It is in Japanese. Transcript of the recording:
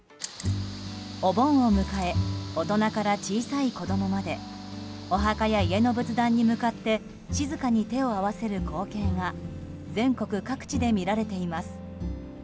お盆を迎え大人から小さい子供までお墓や家の仏壇に向かって静かに手を合わせる光景が全国各地で見られています。